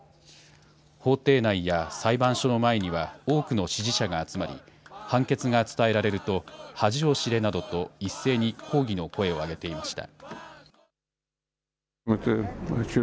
法廷内や裁判所の前には、多くの支持者が集まり、判決が伝えられると、恥を知れなどと一斉に抗議の声を上げていました。